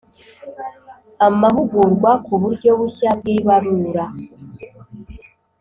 Amahugurwa ku buryo bushya bw ibarura